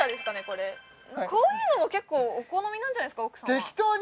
これこういうのも結構お好みなんじゃないですか？